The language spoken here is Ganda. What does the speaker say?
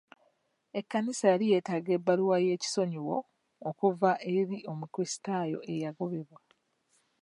Ekkanisa yali yeetaga ebbaluwa y'ekisonyiwo okuva eri omukulisitaayo eyagobebwa.